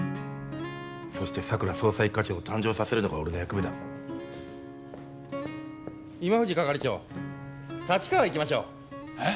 そして佐久良捜査一課長を誕生させるのが俺の役目だ今藤係長立川行きましょうえっ？